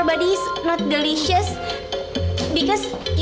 kamu ada lighter mr chow